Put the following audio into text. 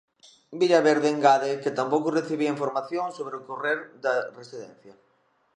Villaverde engade que tampouco recibía información sobre o decorrer da residencia.